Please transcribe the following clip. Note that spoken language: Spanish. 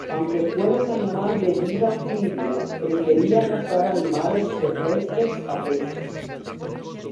Aunque fuera un animal de vida anfibia, prefería cazar animales terrestres a peces.